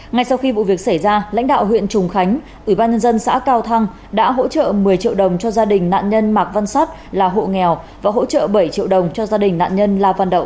ngay sau khi vụ việc xảy ra lãnh đạo huyện trùng khánh ủy ban nhân dân xã cao thăng đã hỗ trợ một mươi triệu đồng cho gia đình nạn nhân mạc văn sắt là hộ nghèo và hỗ trợ bảy triệu đồng cho gia đình nạn nhân la văn động